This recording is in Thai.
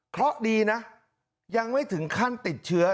เพราะดีนะยังไม่ถึงขั้นติดเชื้อ